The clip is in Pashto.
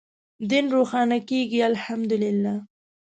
دین روښانه کېږي الحمد لله.